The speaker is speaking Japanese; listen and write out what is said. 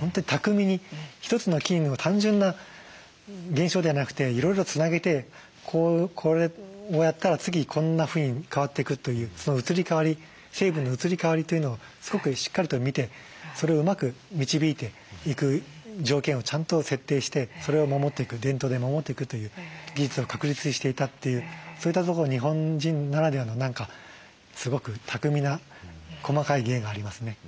本当に巧みに一つの菌を単純な現象ではなくていろいろつなげてこれをやったら次こんなふうに変わっていくというその移り変わり成分の移り変わりというのをすごくしっかりと見てそれをうまく導いていく条件をちゃんと設定してそれを守っていく伝統で守っていくという技術を確立していたっていうそういったところに日本人ならではの何かすごく巧みな細かい芸がありますね。